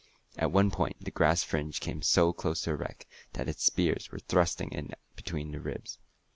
At one point the grass fringe came so close to the wreck that its spears were thrusting in between the ribs.